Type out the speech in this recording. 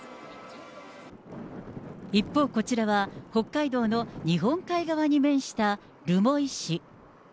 一方、こちらは北海道の日本海側に面した留萌市。